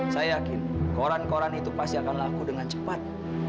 saya yakin koran koran itu pasti akan laku dengan cepat